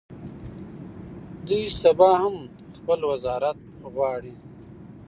دوی سبا هم خپل وزارت غواړي.